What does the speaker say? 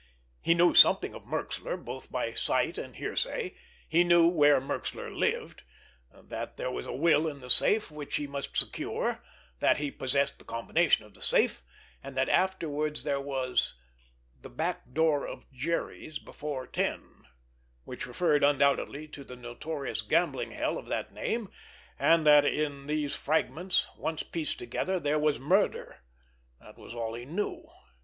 He knew something of Merxler both by sight and hearsay, he knew where Merxler lived, that there was a will in the safe which he must secure, that he possessed the combination of the safe, and that afterwards there was "the back door of Jerry's before ten," which referred undoubtedly to the notorious gambling hell of that name, and that in these fragments, once pieced together, there was murder—that was all he knew.